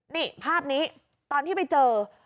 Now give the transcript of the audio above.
นี่ภาพนี้ตอนที่ไปเจอ